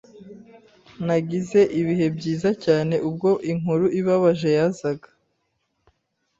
Nagize ibihe byiza cyane, ubwo inkuru ibabaje yazaga.